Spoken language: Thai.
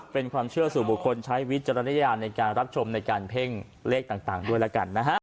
เป็นความเชื่อสู่บุคคลใช้วิจารณญาณในการรับชมในการเพ่งเลขต่างด้วยแล้วกันนะฮะ